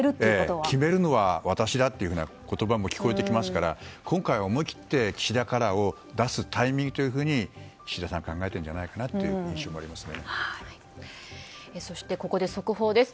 決めるのは私だという言葉も聞こえてきますから今回は思い切って岸田カラーを出すタイミングって岸田さんは考えているんじゃないかなというここで速報です。